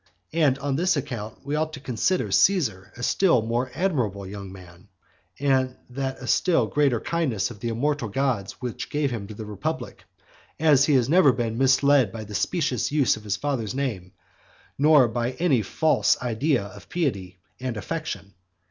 And on this account we ought to consider Caesar a still more admirable young man; and that a still greater kindness of the immortal gods which gave him to the republic, as he has never been misled by the specious use of his father's name; nor by any false idea of piety and affection.